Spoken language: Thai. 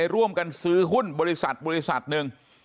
ร่วมกันซื้อหุ้นบริษัทบริษัทหนึ่ง